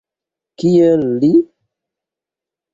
Kiel li?